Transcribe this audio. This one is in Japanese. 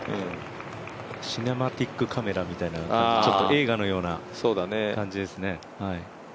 シネマティックカメラみたいな、映画のような感じですね。